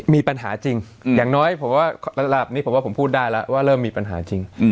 มีปัญหาจริงอย่างน้อยผมว่าระดับนี้ผมว่าผมพูดได้แล้วว่าเริ่มมีปัญหาจริง